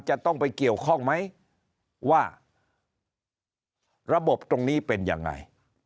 จะต้องไปเกี่ยวข้องไหมว่าระบบตรงนี้เป็นยังไง